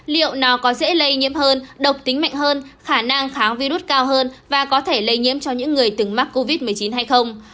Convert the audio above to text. liệu nào có dễ lây nhiễm hơn độc tính mạnh hơn khả năng kháng virus cao hơn và có thể lây nhiễm cho những người từng mắc covid một mươi chín hay không